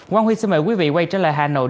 quang huy xin mời quý vị quay trở lại hà nội